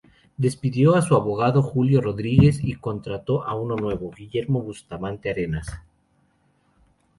Despidió a su abogado Julio Rodríguez y contrató a uno nuevo, Guillermo Bustamante Arenas.